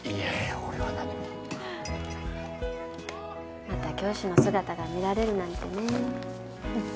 俺は何もまた教師の姿が見られるなんてね